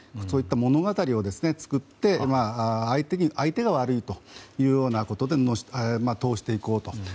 そういった物語を作って相手が悪いというようなことで通していこうと。